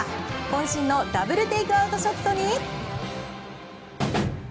渾身のダブルテイクアウトショットに。